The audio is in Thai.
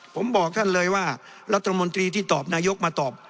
ผมบอกท่านเลยว่ารัฐมนตรีที่ตอบนายกมาตอบ